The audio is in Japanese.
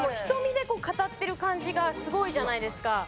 瞳で語ってる感じがすごいじゃないですか。